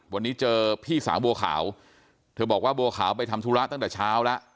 วันนี้เจอพี่สาวบัวขาวเธอบอกว่าบัวขาวไปทำธุระตั้งแต่เช้าแล้ว